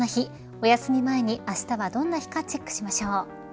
おやすみ前に、あしたはどんな日かチェックしましょう。